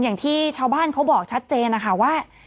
อย่างที่ชาวบ้านเขาบอกชัดเจนนะคะว่า